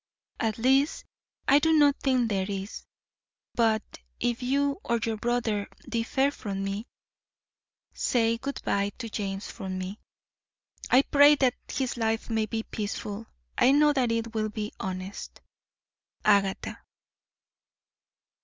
At least I do not think there is; but if you or your brother differ from me Say good bye to James from me. I pray that his life may be peaceful. I know that it will be honest. AGATHA.